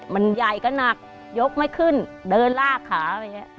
มันใหญ่ก็หนักยกไม่ขึ้นเดินลากขา